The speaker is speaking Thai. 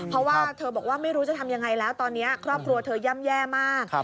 เพราะว่าเธอบอกว่าไม่รู้จะทำยังไงแล้วตอนนี้ครอบครัวเธอย่ำแย่มาก